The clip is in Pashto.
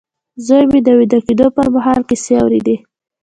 زوی مې د ويده کېدو پر مهال کيسې اورېدې.